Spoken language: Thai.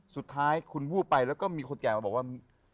สุดท้ายคุณวูบไปแล้วก็มีคนแก่มาบอกว่า